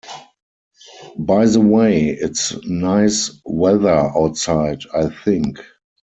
Btw, it's nice weather outside I think.